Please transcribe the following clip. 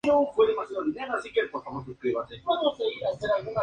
Se decidió construir una estructura ornamentada.